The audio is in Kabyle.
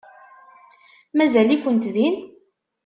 Mazal-ikent din?